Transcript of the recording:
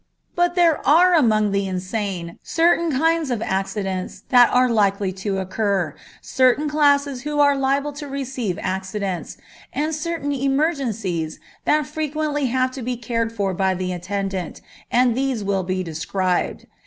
But there are among the insane certain kinds of accidents that are likely to occur, certain classes who are liable to receive accidents, and certain emergencies that frequently have to be cared for by the attendant, and these will be described.